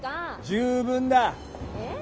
十分だッ。